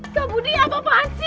kabudia apa pak haci